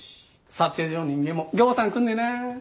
撮影所の人間もぎょうさん来んねんな。